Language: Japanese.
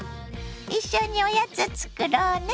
一緒におやつ作ろうね。